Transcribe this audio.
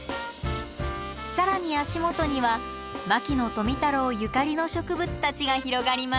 更に足元には牧野富太郎ゆかりの植物たちが広がります。